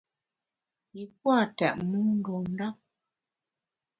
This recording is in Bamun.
I pua’ tètmu ndun ndap.